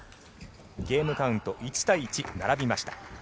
ゲームカウント１対１並びました。